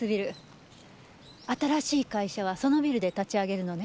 新しい会社はそのビルで立ち上げるのね？